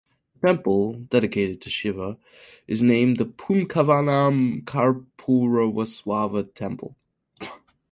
The temple, dedicated to Shiva, is named the Poonkavanam Karpooreswara Temple.